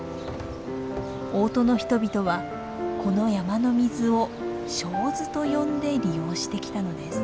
大音の人々はこの山の水を清水と呼んで利用してきたのです。